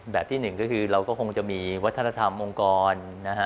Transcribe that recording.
ที่หนึ่งก็คือเราก็คงจะมีวัฒนธรรมองค์กรนะฮะ